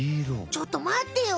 ちょっとまってよ！